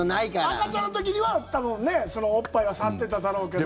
赤ちゃんの時には多分おっぱいは触ってただろうけど。